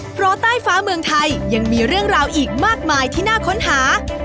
เพราะใต้ฟ้าเมืองไทยยังมีเรื่องราวอีกมากมายที่น่าค้นหา